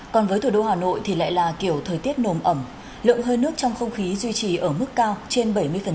còn với thủ đô hà nội thì lại là kiểu thời tiết nồm ẩm lượng hơi nước trong không khí duy trì ở mức cao trên bảy mươi